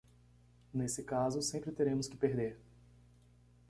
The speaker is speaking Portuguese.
Nesse caso, sempre teremos que perder.